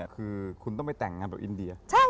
คือคุณต้องไปแต่งงานแบบอินเดีย